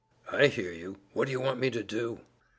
"I hear you. What do you want me to do?"